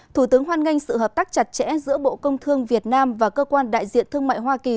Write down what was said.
thủ tướng hoan nghênh sự hợp tác chặt chẽ giữa bộ công thương việt nam và cơ quan đại diện thương mại hoa kỳ